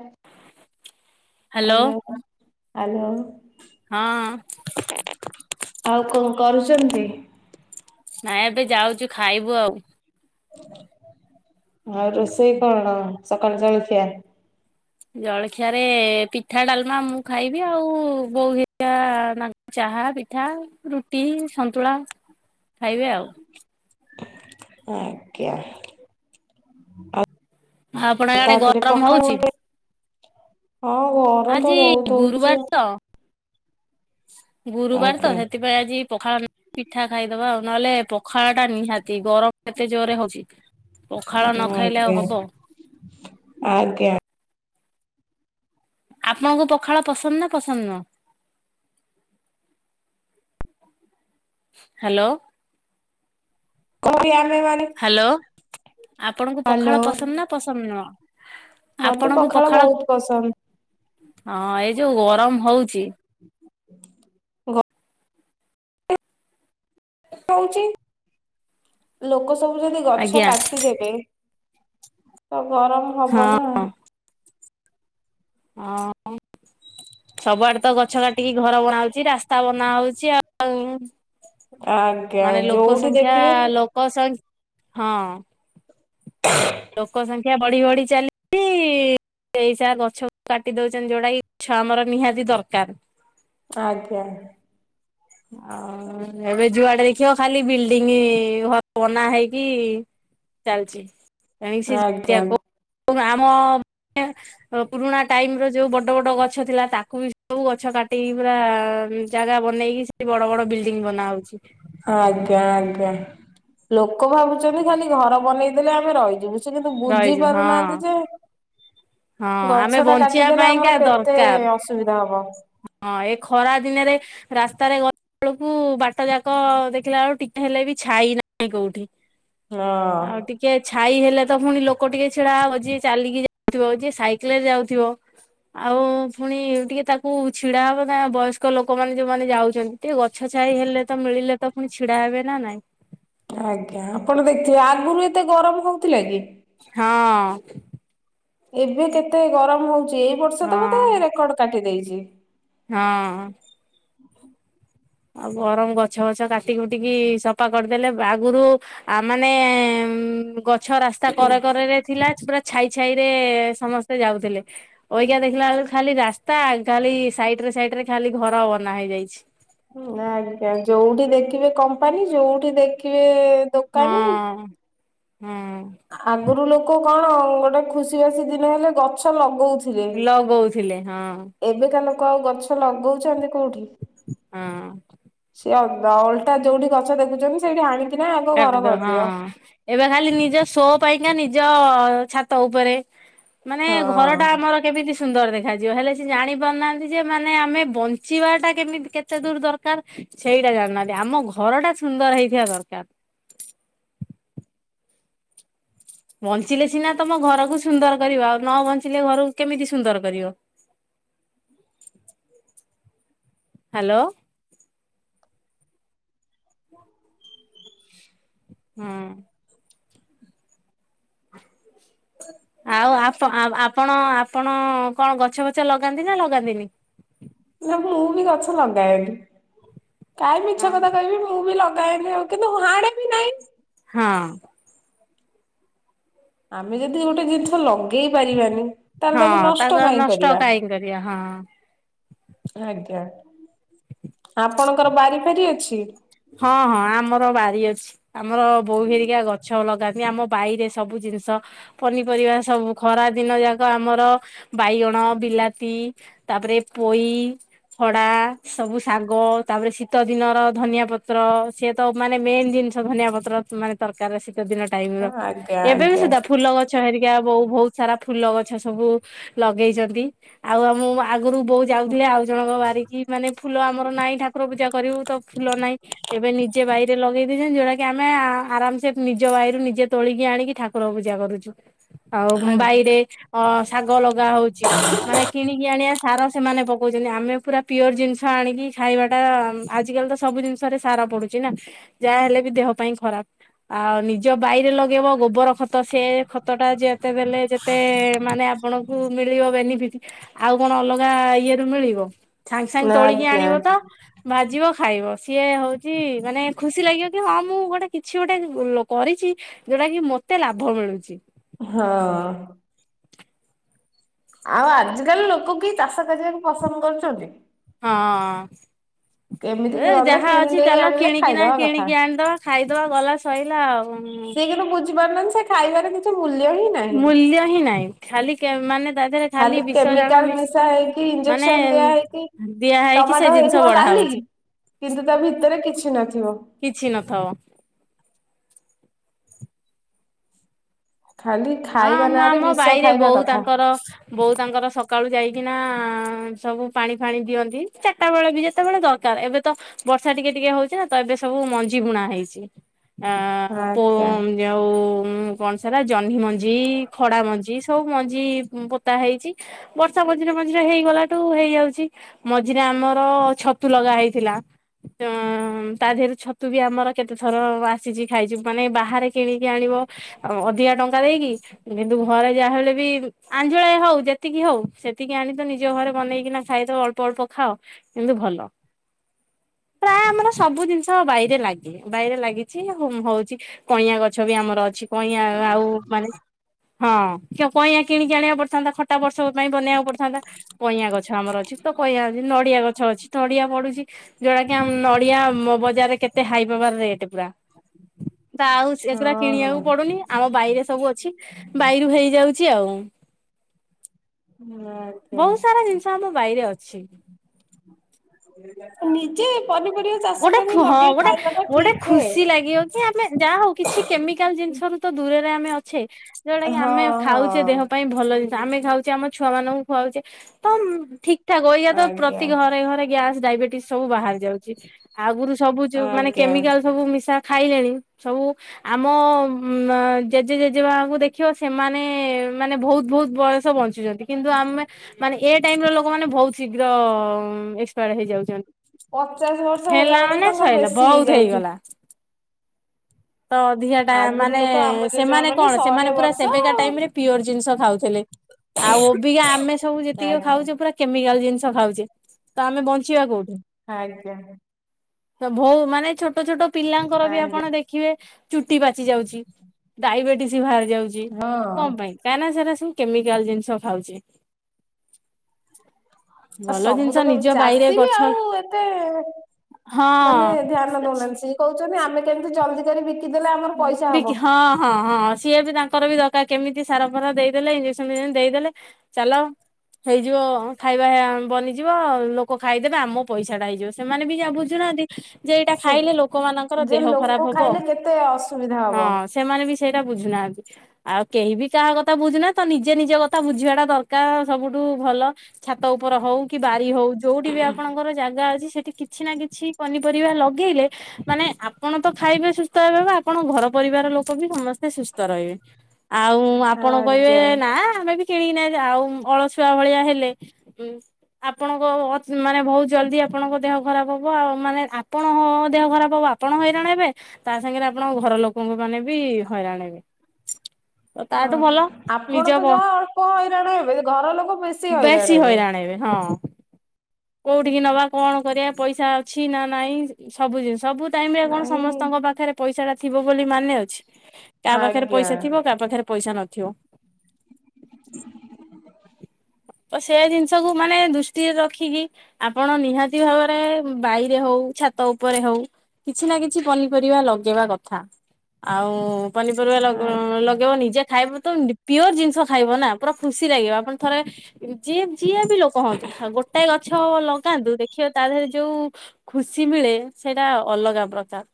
ହୁଁ। Hello hello hello. ହଁ ଆଉ କଣ କରୁଚନ୍ତି? ନାଇଁ ଏବେ ଯାଉଚୁ ଖାଇବୁ ଆଉ। ଆଉ ରୋଷେଇ କଣ ସକାଳୁ ଜଳଖିଆ? ଜଳଖିଆରେ ପିଠା, ଡାଲମା ମୁଁ ଖାଇବି ଆଉ ବୋଉ ହରିକା ଚା ଚାହା ପିଠା ରୁଟି ସନ୍ତୁଳା ଖାଇବେ ଆଉ। ଆଜ୍ଞା। ଆଉ ଆପଣଙ୍କ ଇଆଡେ ତାପରେ ଗରମ ପଖାଳ ହଉଚି? ମତେ ହଁ ଗରମ ତ ବହୁତ ଗୁରୁବାର ହଉଚି ଆଉ। ତ ଗୁରୁବାର ତ ଆଜ୍ଞା ସେଥିପାଇଁ ଆଜି ପଖାଳ ପିଠା ଖାଇଦବା ଆଉ ନହେଲେ ପଖାଳଟା ନିହାତି ଗରମ କେତେ ଜୋରରେ ହଉଚି। ପଖାଳ ନ ଖାଇଲେ ଆଉ ଆଜ୍ଞା ହବ। ଆଜ୍ଞା ଆପଣଙ୍କ ପଖାଳ ପସନ୍ଦ ନା ପସନ୍ଦ ନୁହଁ? ହାଲୋ। କ ୟା ହ୍ୟାଲୋ ଆପଣଙ୍କୁ ହ୍ୟାଲୋ ପଖାଳ ପସନ୍ଦ ନା ପସନ୍ଦ ନୁହଁ? ମତେ ଆପଣଙ୍କ ପଖାଳ ବହୁତ ପସନ୍ଦ। ହଁ ଏଇ ଯୋଉ ଗରମ ହଉଛି। ଗରମ ହଉଛି ଲୋକ ସବୁ ଯଦି ଗଛ ଆଜ୍ଞା। କାଟିଦେବେ। ତ ଗରମ ହବ ହଁ। ନା ହଁ। ସବୁଆଡେ ତ ଗଛ କାଟିକି ଘର ବନାହଉଛି ରାସ୍ତା ବନା ହଉଛି ଆଉ। ଆଜ୍ଞା ମାନେ ଲୋକ ଯୋଉଠି ସଂଖ୍ୟା ଦେଖିବେ ଲୋକ ସଂଖ ହଁ ଲୋକ ସଂଖ୍ୟା ବଢି ବଢି ଚାଲିଛି ଏଇସା ଗଛ। କାଟି ଦଉଛନ୍ତି ଯୋଉଟାକି ଗଛ ଆମର ନିହାତି ଦରକାର। ଆଜ୍ଞା ଅଉ ଏବେ ଯୁଆଡେ ଦେଖିବ ଖାଲି ବିଲଡିଙ୍ଗ ଘ ବନା ହେଇକି। ଚାଲଛି ଆମ ସେଆ ଆଜ୍ଞା। କ [inaudible] ଏବଂ ଆମ ପୁରୁଣା ଟାଇମ ର ଯୋଉ ବଡ ବଡ ଗଛ ଥିଲା ତାକୁ ବି ସବୁ ଗଛ କା କଟି ପୁରା ଜାଗା ବନେଇକି ସେଠି ବଡ ବଡ ବିଲ୍ଡିଙ୍ଗ ବନା ହଉଛି। ଆଜ୍ଞା ଆଜ୍ଞା ଲୋକ ଭାବୁଛନ୍ତି ଖାଲି ଘର ବନେଇଦେଲେ ଆମେ ରହିଯିବୁ। ସେ କିନ୍ତୁ ବୁଝି ରହିଛୁ ହଁ ପାରୁନାହାନ୍ତି ଯେ। ହଁ ଆମେ ଗଛ ଟା ବଞ୍ଚିବା କାଟିଦେଲେ ଆମର ପାଇଁକା କେତେ ଦରକାର ଅସୁବିଧା ହ। ହଁ ଏ ଖରା ଦିନରେ ରାସ୍ତାରେ ଗଲା ବେଳକୁ ବାଟ ଯାକ ଦେଖିଲା ବେଳକୁ ଟିକା ହେଲେ ବି ଛାଇ ନାହିଁ କଉଠି ହଁ ଆଉ ଟିକେ ଛାଇ ହେଲେ। ହେଲେ ତ ପୁଣି ଲୋକ ଟିକେ ଛିଡା ଯିଏ ଚାଲିକି ଯାଉଥିବ ଯିଏ ସାଇକେଲ ରେ ଯାଉଥିବ ଆଉ ପୁଣି ଟିକେ ତାକୁ। ହଉ ଛିଡା ହବ ନା ବୟସ୍କ ଲୋକମାନେ ଯୋଉମାନେ ଯାଉଛନ୍ତି ଟିକେ ଗଛାଇଁ ହେଲେ ତ ମିଳିଲେ ତ ପୁଣି ଛିଡାବ ବ ନା ନାଇ [unintelligible] ଆଜ୍ଞା ଆପଣ ଦେଖିଥିବେ ଆଗରୁ ଏତେ ଗରମ ହଉଥିଲା କି ହଁ। ଏବେ କେତେ ଗରମ ହଉଛି ଏଇ ବର୍ଷ ହଁ ତ ବୋଧେ ରେକର୍ଡ କାଟି ଦେଇେଇଛି। ହଁ। ହ [inaudible] ଆଉ ଗରମ ଗଛ ବଛ କାଟିକି କୁଟିକି ସଫା କରିଦେଲେ ଆଗରୁ ଆ ମାନେ ଉ ଗଛ ରାସ୍ତା କରେକରେ ରେ ଥିଲା ପୁରା ଛାଇ। ଛାଇ ରେ ସମସ୍ତେ ଯାଉଥିଲେ ଓଗା ଦେଖିଲା ବେଳ ଖାଲି ରା ତା ଖାଲି ସାଇଟ ରେ ସାଇଟରେ ଖାଲି ଘର ବନା ହେଇଯାଇଛି। ନା ଆଜ୍ଞା ଯୋଉଠି ଦେଖିବେ କମ୍ପାନୀ ଯୋଉଠି ଦେଖିବେ ଦୋକାନୀ ହଁ ହଁ ଆଗରୁ ଲୋକ କଣ ଗୋଟେ ଖୁସି ବାସି ଦିନ ହେଲେ ଗଛ ଲଗଉଥିଲେ। ଲଗଉଥିଲେ ହଁ ଏବେକାା ଲୋକ ଆଉ ଗଛ ଲଗଉଛନ୍ତି କୋଉଠି? ହଁ। ଦଲଟା ଯୋଉଠି ଗଛ ଦେଖୁଛନ୍ତି ସେଇଠି ଆଣ କାଦ ହଁ ଏବେ ଖାଲି ନିଜ ଶୋ ପାଇଁ ଆଞ ନିଜ ଛାତ ଉପରେ ମାନେ ହଁ ଘର ଟା ଆମର କେମିତି? ସୁନ୍ଦର ଦେଖାଯିବ ହେଲେ ସେ ଜାଣି ପାରୁନାହାନ୍ତି ଯେ ମାନେ ଆମେ ବଞ୍ଚିବା ଟା କେମିତି କେତେ ଦୂର ଦରକାର ସେଇଟା ଜାଣିନାହାନ୍ତି ଆମ ଘରଟା ସୁନ୍ଦର ହେଇଥିବା ଦରକାର। ବଞ୍ଚିଲେ ସିନା ତମ ଘରକୁ ସୁନ୍ଦର କରିବ ଆଉ ନ ବଞ୍ଚିଲେ ଘରକୁ କେମିତି ସୁନ୍ଦର କରିବ। ଆ [inaudible] ହ୍ୟାଲୋ। ହଁ। ଆଉ ଆ ଆପଣ ଆପଣ କଣ ଗଛ ଫଛ ଲଗାନ୍ତି ନା ଲଗାନ୍ତିନି। ନା ମୁଁ ବି ଗଛ ଲଗାଏବି କାହିଁ ମିଛ ହଁ କଥା କହିବି ମୁଁ ବି ଲ ଗ ଆଉ କିନ୍ତୁ ହାଡେ ବି ନାହିଁ। ହଁ। ଆମେ ଯଦି ଗୋଟେ ଜିନିଷ ଲଉ ଆଗେଇ ପାରିବାନି ତାହେଲେ ତାକୁ ହଁ ନଷ୍ଟ ଆଉ କାହିଁ କରିବା? କାହିଁ କରିବା ହଁ। ଆଜ୍ଞା ଆପଣଙ୍କର ବାରି ଫାରି ଅଛି? ହଁ ହଁ ଆମର ବାଡି ଅଛି ଆମର ବୋଉ ହେରିକା ଗଛ ଲଗାନ୍ତି ଆମ ବାଇରେ ସବୁ ଜିନିଷ ପନିପରିବା ସବୁ ଖରା ଦିନ ଯାକ ଆମର ବାଇଗଣ ବିଲାତି ତାପରେ ପୋଇ ଖଡା ସବୁ ଶାଗ ତାପରେ ଶୀତ ଦିନର ଧନିଆ ପତ୍ର ପତ୍ର ସିଏ ତ ମାନେ ମେନ୍ ଜିନିଷ ଧନିଆ ପତ୍ର ମାନେ ତରକାରିରେ ଦିନ ଟାଇମ ର ଆଜ୍ଞା ଏବେ ବି ଆଜ୍ଞା ସୁଦ୍ଧା ଫୁଲ ଗଛ ହେରି ଆ ବ ବହୁତ ସାରା ଫୁଲ ଗଛ ସବୁ ଲଗେଇଛନ୍ତି। ଆଉ ଆମୁଁ ମା ଆଗରୁ ବୋଉ ଯାଉଥିଲେ ଆଉ ଜଣଙ୍କ ବାରିକି ମାନେ ଫୁଲ ଆମର ନାହିଁ ଠାକୁର ପୂଜା କରିବୁ ତ ଫୁଲ ନାହିଁ ଏବେ ନିଜେ ବାଇରେ ଲଗେଇ ଦେଇଛନ୍ତି। ଯଉଟା କି ଆମେ ଆରାମସେ ନିଜ ବାଇରୁ ନିଜେ ତୋଳିକି ଆଣିକି ଠାକୁର କୂର ପୂଜା କରୁଛୁ। ଆଉ ଆଜ୍ଞା ବାଇରେ ଅ ଶାଗ ଲଗା ହଉଛି ମାନେ କିଣିକି ଆଣିବା ସାର ସେମାନେ ପକଉଛନ୍ତି ଆମେ ପୁରା ପିଓର ଜିନିଷ ଆଣିକି ଖାଇବାଟା ଆଜିକାଲି ତ ସବୁ ଜିନିଷ ସେଥିରେ ସାର ପଡୁଛି ନା ଯାହାହଲେ ବି ଦେହ ପାଇଁ ଖରାପ। ଆଉ ନିଜ ବାଇରେ ଲଗେଇବ ଗୋବର ଖତ ସେ ଖତ ଖତ ଟା ଯେତେ ଦେଲେ ଯେତେ ମାନେ ଆପଣଙ୍କୁ ମିଳିବ ବେନିଫିଟ୍ ଆଉ କଣ ଅଲଗା ଇଏ ରୁ ମିଳିବ ସାଙ୍ଗେ ସାଙ୍ଗେ ତୋଳିକି ଆଜ୍ଞା ଆଣିବ ତ ଭାଜିବ। ଖାଇବ ସିଏ ହଉଛି ମାନେ ଖୁସି ଲାଗିବ କି ହଁ ମୁଁ ଗୋଟେ କିଛି ଗୋଟେ କରିଛି ଯୋଉଟା କି କେତେ ଲାଭ ମିଳୁଛି। ହଁ। ଆଉ ଆଜିକାଲି ଲୋକ କି ଚାଷ କରିବାକୁ ପସନ୍ଦ କରୁଛନ୍ତି। ହଁ। ଏମିତି ହେ ଗଲେ ଯାହା କିଣି ଅଛି ନେଇ ଚାଲ ଆଣିଲେ କିଣିକିନା ଖାଇଦବା କଥା। କିଣିକି ଆଣିଦବା ଖାଇଦବା ଗଲା ସଇଲା ଆଉ। ହଁ। ସିଏ କିନ୍ତୁ ବୁଝିପାରୁନାହାନ୍ତି ସେ ଖାଇବାରେ କିଛି ମୂଲ୍ୟ ହିଁ ନାହିଁ। ମୂଲ୍ୟ ହିଁ ନାହିଁ ଖାଲି ମାନେ ତା ଦେହରେ ଖାଲି ବିଷ ଜାଣ କେମିକାଲ ମିଶା ମିଶିଛି ହେଇକି ମାନେ ଇଞ୍ଜେକ୍ସନ ଦିଆ ହେଇକି ଦିଆ ହେଇକି ସେ ଟମାଟୋ ଜିନିଷ ହେଇଥିବ ବଢା ହବ ଲାଲି ହଉଛି। କିନ୍ତୁ ତା ଭିତରେ କିଛି ନଥିବ। କିଛି ନଥବ। ଖାଲି ହଁ ଖାଇବା ଆମ ନାଁରେ ଆମ ବିଷ ବାଇରେ ଖାଇବା ବୋଉ କଥା। ତାଙ୍କର ବୋଉ ତାଙ୍କର ସକାଳୁ ଯାଇକିନା ସବୁ ପାଣିଫାଣି ଦିଅନ୍ତି। ଚାରିଟାବେଳେ ବି ଯେତେବେଳେ ଦରକାର ଏବେ ତ ବର୍ଷା ଟିକେଟିକେ ହଉଛି ନା ତ ଏବେ ସବୁ ମଞ୍ଜି ବୁଣା ହେଇଛି। ଆ ପ ଆଚ୍ଛା। ଯୋଉ କଣ ସେରା ଜହ୍ନି ମଞ୍ଜି ମଞ୍ଜି ଖଡା ମଞ୍ଜି ସବୁ ମଞ୍ଜି ପୋତା ହେଇଛି ବର୍ଷା ମଝିରେ ମଝିରେ ହେଇଗଲାଠୁ ହେଇଯାଉଛି ମଝିରେ ଆମର ଛତୁ ଲଗା ହେଇଥିଲା ତା ଦେହରେ ଛତୁ ଛତୁ ବି ଆମର କେତେଥର ଆସିଛି ଖାଇଛୁ ମାନେ ବାହାରେ କିଣିକି ଆଣିବ ଅଧିକା ଟଙ୍କା ଦେଇକି କିନ୍ତୁ ଘରେ ଯାହାହେଲେ ବି ଆଞ୍ଜୁଳାଏ ହଉ ଯେତିକି ହଉ ସେତିକି ଆଣି ତ ନିଜ ଘରେ ବନେଇକିନା ଖାଇଦବ ଅଳ୍ପ ଅଳ୍ପ ଖାଅ କିନ୍ତୁ ଭଲ [inaudible] ପ୍ରାୟ ଆମର ସବୁ ଜିନିଷ ବାଇରେ ଲାଗେ ବାଇରେ ଲାଗିଛି ହଉଛି କଇଁଆ ଗଛ ବି ଆମର ଅଛି କିଛି କଇଁଆ ଆଉ ମାନେ ହଁ କଇଁଆ କିଣିକି ଆଣିବାକୁ ପଡିଥାନ୍ତା ଖଟା ବର୍ଷକ ପାଇଁ ବନେଇବାକୁ ପଡିଥାନ୍ତା କଇଁଆ ଗଛ ଆମର ଅଛି ତ କଇଁଆ ନଡିଆ ଗଛ ଅଛି ନଡିଆ ପଡୁଛି ଯୋଉଟା କି ଆମ ଓଡିଆ ମୋ ବଜାରରେ କେତେ ହାଇ ପାୱାର ରେଟ୍ ପୁରା ତ ଆଉ ଏଗୁରା ଓହୋ କିଣିବାକୁ ପଡୁନି ଆମ ବାଇରେ ସବୁ ଅଛି। ବାଇରୁ ହେଇଯାଉଛି ଆଉ। ଆଜ୍ଞା। ବହୁତ ସାରା ଜିନିଷ ଆମ ବାଇରେ ଅଛି। ନିଜେ ପନିପରିବା ଚାଷ ଗୋଟେ କରି ହଁ ଲଗେଇ ଗୋଟେ ଖାଇବା ଟା ଗୋଟେ ଠିକ ଯେ ଖୁସି ଲାଗିବ କି ଆମେ ଯାହା ହଉ କିଛି କେମିକାଲ ଜିନିଷରୁ ତ ଦୂର ରରେ ଆମେ ଅଛେ ଯୋଉଟା କି ହଁ ଆମେ ହଁ। ଖାଉଛେ ଦେହ ପାଇଁ ଭଲ। ଆମେ ଖାଉଛେ। ଆମ ଛୁଆ ମାନଙ୍କୁ ଖୁଆଉଛେ ତ ଠିକଠାକ ଏଇଗା ତ ଆଜ୍ଞା ପ୍ରତି ଘରେ ଘରେ ଗ୍ୟାସ। ଡାଇବେଟିସ୍ ସବୁ ବାହାରି ଯାଉଛି। ଆଗରୁ ସବୁ ଯୋଉ ମାନେ ଆଜ୍ଞା। କେମିକାଲ ସବୁ ମିଶା। ଖାଇଲେଣି। ସବୁ ଆମ ଜେଜେ ଜେଜେବାଙ୍କୁ ଦେଖିବ ସେମାନେ- ସେମାନେ ବହୁତ ବହୁତ ବୟସ ବଞ୍ଚୁଛନ୍ତି କିନ୍ତୁ ଆମେ ମାନେ ଏ ଟାଇମ ର ଲୋକମାନେ ବହୁତ ଶୀଘ୍ର- ହୁଁ ଏକ୍ସପାୟାର ହେଇଯାଉଛନ୍ତି। ପଚାଶ ବର୍ଷ ହେଲା ବେଳକୁ ମାନେ ତାଙ୍କର ସଇଲା ବେଶୀ ବହୁତ ହେଇଯାଉଛି। ହେଇଗଲା। ତ ଅଧିକାଟା ଆଗରୁ ମାନେ ଲୋକ ଆମ ଜେଜେମା ସେମାନେ ମାନେ କଣ ସେମାନେ ଶହେ ପୁରା ସେବେକା ବର୍ଷ ଟାଇମରେ ପିଓର ଜିନିଷ ଖାଉଥିଲେ। ଆଉ ଅବିକା ଆମେ ସବୁ ଯେତିକି ଆଜ୍ଞା ଖାଉଛେ ପୁରା କେମିକାଲ ଜିନିଷ ଖାଉଛେ ତ ଆମେ ବଞ୍ଚିବା କୋଉଠୁ। ଆଜ୍ଞା। ତ ବୋହୁ ମାନେ ଛୋଟ ଛୋଟ ପିଲାଙ୍କର ବି ଆଜ୍ଞା ଆପଣ ଦେଖିବେ। ଚୁଟି ପାଚି ଯାଉଚି ଡାଇବେଟିସ ବାହାରି ଯାଉଚି ହଁ କଣ ପାଇଁ ଆଉ କାଇଁ ନା ସେରା ସବୁ କେମିକାଲ ଜିନିଷ ଖାଉଚେ। ଆଉ ସବୁତକ ଚାଷୀ ବି ଆଉ ଏତେ ମାନେ ଧ୍ୟାନ ହଁ ଦଉନାହାନ୍ତି ସିଏ କହୁଛନ୍ତି ଆମେ କେମିତି ଜଲ୍ଦି କରି ବିକି ବିକି ହଁ ହଁ ହଁ ସିଏ ବି ତାଙ୍କ ତା ଙ୍କର ବି ଦରକାର କେମିତି ସାର ଫାରା ଦେଇଦେଲେ ଇଞ୍ଜେକ୍ସନ ଫିଞ୍ଜେକ୍ସନ ଦେଇଦେଲେ ଚାଲ ହେଇଯିବ ଖାଇବା ବନିଯିବ ଲୋକ ଖାଇଦେବେ ଆମ ପଇସା ଟା ହେଇଯିବ ସେମାନେ ବି ଯା ବୁଝୁନାହାନ୍ତି ଯେ ଏଇଟା ସେ ଖାଇଲେ ଲୋକମାନଙ୍କର ଦେହ ଖରାପ ହବ। ସୁବିଧା ହଁ ହବ। ସେମାନେ ବି ସେଇଟା ବୁଝୁନାହାନ୍ତି ଆଉ କେହି ବି କାହା କଥା ବୁଝୁନା ତ ନିଜେ ନିଜ କଥା ବୁଝିବା ଟା ଦରକାର ସବୁଠୁ ଭଲ ଛାତ ଉପରେ ହଉ କି ବାରି ହଉ ଯୋଉଠି ବି ଆପଣଙ୍କର ଜାଗା ଅଛି ସେଠି କିଛି ନା କିଛି ପନିପରିବା ଲଗେଇଲେ ମାନେ ଆପଣ ତ ଖାଇବେ ସୁସ୍ଥ ହେବେ ବା ଆପଣ ଘର ପରିବାର ଲୋକ ବି ସମସ୍ତେ ସୁସ୍ଥ ରହିବେ। ଆଉ ଆପଣ କହିବେ ଆଜ୍ଞା ନା ଆମେ ବି କିଣିକିନା ଆଉ ଅଳସୁଆ ଭଳିଆ ହେଲେ ଉଁ ଆପଣଙ୍କ ଅଚ ମାନେ ବହୁତ ଜଲଦି ଆପଣଙ୍କ ଦେହ ଖରାପ ହବ ଆଉ ମାନେ ଆପଣଙ୍କ ହଁ ଦେହ ଖରାପ ହବ ଆପଣ ହଇରାଣ ହେବେ ତା ସାଙ୍ଗରେ ଆପଣଙ୍କ ଘର ଲୋକଙ୍କ ମାନେ ବି ହଇରାଣ ହେବେ। ତ ହ ତାଠୁ ଭଲ ନିଜ ଆପଣ ତ ବ ଯାହା ଅଳ୍ପ ହଇରାଣ ହେବେ ଘର ଲୋକ ବେଶୀ ହଇରାଣ ହେବେ। ବେ ହଁ। କୋଉଠିକି ନବା କଣ କରିବା ପଇସା ଅଛି ନା ନାଇଁ ସବୁ ଜିନଷ ସବୁ ଟାଇମ୍ ରେ କଣ ନାଇଁ ସମସ୍ତଙ୍କ ପାଖରେ ପଇସା ଟା ଥିବ ବୋଲି ମାନେ ଅଛି। କାହା ପାଖରେ ଆଜ୍ଞା ପଇସା ଥିବ କାହା ପାଖରେ ପଇସା ନଥିବ। ତ ସେ ଜିନିଷକୁ ମାନେ ଦୃଷ୍ଟିରେ ରଖିକି ଆପଣ ନିହାତି ଭାବରେ ବାଇରେ ହଉ ଛାତ ଉପରେ ହଉ। କିଛି ନା କିଛି ପନିପରିବା ଲଗେଇବା କଥା ଆଉ ପନିପରିବା ଲଗ ଆଜ୍ଞା ଲଗେଇବ ନିଜେ ଖାଇବୁ ତ ପିଓର ଜିନିଷ ଖାଇବ ନା ପୁରା ଖୁସି ଲାଗିବ ଆପଣ ଥରେ ଯିଏ ଯିଏ ବି ଲୋକ ହୁଅନ୍ତୁ ଗୋଟାଏ କଥ ଗଛ ଲଗାନ୍ତୁ ଦେଖିବ ତା ଦେହରେ ଯୋଉ ଖୁସି ମିଳେ ସେଇଟା ଅଲଗା ପ୍ରକାର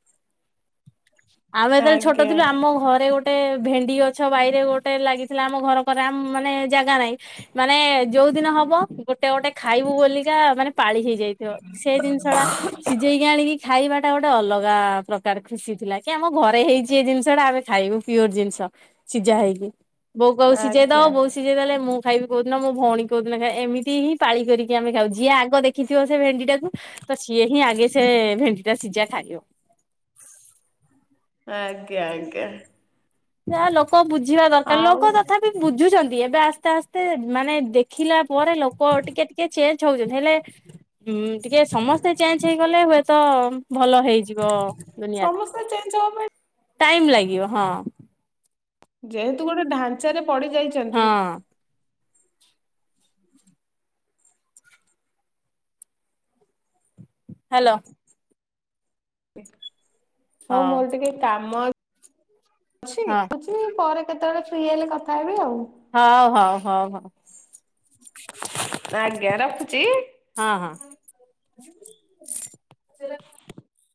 ଆମେ ଆଜ୍ଞା। ଯେତେବେଳେ ଆଜ୍ଞା ଛୋଟଥିଲୁ ଆମ ଘରେ ଗୋଟେ ଭେଣ୍ଡି ଗଛ ବାଇରେ ଗୋଟେ ଲାଗିଥିଲା ଆମ ଘର କରେ ଆମ ମାନେ ଜାଗା ନାହିଁ ମାନେ ଯୋଉ ଯୌ ଦିନ ହବ ଗୋଟେ ଗୋଟେ ଖାଇବୁ [unintelligible] ମାନେ ପାଳି ହେଇଯାଇଥିବ ସେ ଜିନିଷ ଟା ସିଝେଇକି ଆଣିକି ଖାଇବା ଟା ଗୋଟେ ଅଲଗା ପ୍ରକାର ଖୁସି ଥିଲା କି ଆମ ଘରେ ହେଇଛି ଏ ଜିନିଷ ଟା ଆମେ ଖାଇବୁ ପିଓର ଜିନିଷ। ସିଝା ହେଇକି ବୋଉ କଉ ସିଝେଇ ଦବ ଆଜ୍ଞା ବୋଉ ସିଝେଇ ଦେଲେ ମୁଁ ଖାଇବି କୋଉଦିନ ମୋ ଭଉଣୀ କହୁଦିନ ଏମିତି ହିଁ ପାଲି କରିକି ଆମେ ଖାଉଛ। ଯିଏ ଆଗ ଦେଖିଥିବ ସେ ଭେଣ୍ଡି ଟାକୁ ତ ସିଏ ହିଁ ଆଗେ ସେ ଭେଣ୍ଡି ଟା ସିଝା ଖାଇବ। ଆଜ୍ଞା ଆଜ୍ଞା। ଯା ଲୋକ ବୁଝିବା ଦରକାର ଆଉ ଲୋକ ତଥାପି ବୁଝୁଛନ୍ତି। ଏବେ ଆସ୍ତେ ଆସ୍ତେ ମାନେ ଦେଖିଲା। ପରେ ଲୋକ ଟିକେ ଟିକେ ଚେଞ୍ଜ ହଉଛନ୍ତି ହେଲେ ଉ ଟିକେ ସମସ୍ତେ ଚେଞ୍ଜ ହେଇଗଲେ ହୁଏ ତ। ତ ଭଲ ହେଇଯିବ ଦୁନିଆଟା। ସମସ୍ତେ ଚେଞ୍ଜ ହବା ପାଇଁ ଟାଇମ ଲାଗିବ ହଁ। ଯେହେତୁ ଗୋଟେ ଢାଞ୍ଚାରେ ପଡି ଯାଇଛନ୍ତି। ହଁ ହାଲୋ ହଉ ମୋର ଟିକେ କାମ ଅ ଅଛି ହଁ ଅଛି ପରେ କେତେବେଳେ ଫ୍ରି ହେଲେ କଥା ହେବି ହଉ। ହଉ ହଉ ହଉ। ଆଜ୍ଞା ରଖୁଛି। ହଁ ହଁ।